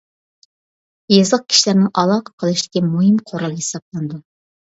يېزىق كىشىلەرنىڭ ئالاقە قىلىشتىكى مۇھىم قورال ھېسابلىنىدۇ.